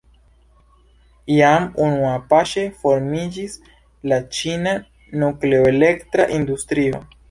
Jam unuapaŝe formiĝis la ĉina nukleoelektra industrio.